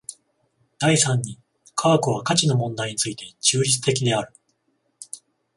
第三に科学は価値の問題について中立的である。